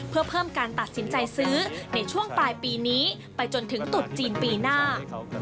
เพื่อเพิ่มการตัดสินใจซื้อในช่วงปลายปีนี้ไปจนถึงตุดจีนปีหน้า